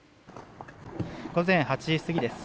午前８時過ぎです。